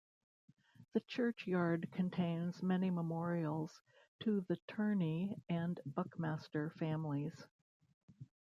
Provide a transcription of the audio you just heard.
The church yard contains many memorials to the Turney and Buckmaster families.